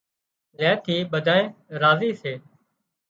زين ٿي ٻڌانئين راضي سي